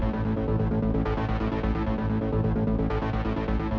aku mau mencari uang buat bayar tebusan